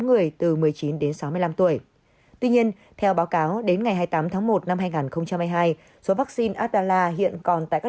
người từ một mươi chín sáu mươi năm tuổi tuy nhiên theo báo cáo đến ngày hai mươi tám một hai nghìn hai mươi hai số vắc xin adela hiện còn tại các